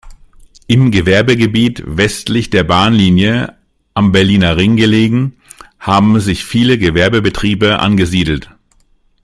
Im Gewerbegebiet westlich der Bahnlinie, am Berliner Ring gelegen, haben sich viele Gewerbebetriebe angesiedelt.